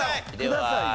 くださいよ。